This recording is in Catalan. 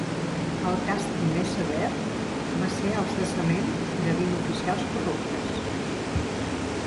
El càstig més sever va ser el cessament de vint oficials corruptes.